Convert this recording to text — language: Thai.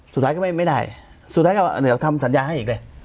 สุดท้ายก็ไม่ได้สุดท้ายก็เดี๋ยวทำสัญญาให้อีกเลย